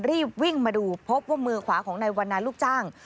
รีบวิ่งมาดูพบว่ามือขวาของนายวันนาลูกจ้าง